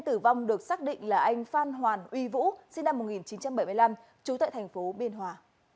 uy vũ sinh năm một nghìn chín trăm bảy mươi năm trú tại thành phố biên hòa